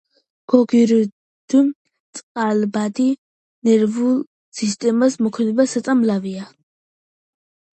გოგირდწყალბადი ნერვულ სისტემაზე მოქმედი საწამლავია.